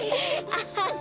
アハハ。